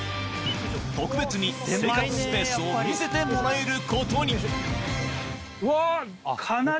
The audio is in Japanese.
特別に生活スペースを見せてもらえることにうわ！